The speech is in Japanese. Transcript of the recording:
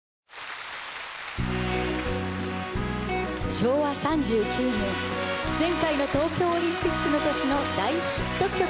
昭和３９年前回の東京オリンピックのときの大ヒット曲です。